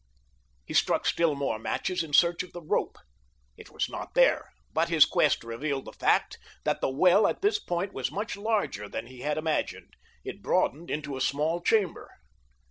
He struck still more matches in search of the rope. It was not there, but his quest revealed the fact that the well at this point was much larger than he had imagined—it broadened into a small chamber.